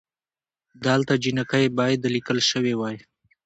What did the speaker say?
دلته جینکۍ بايد ليکل شوې وئ